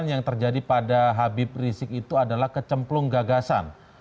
yang terjadi pada habib rizik itu adalah kecemplung gagasan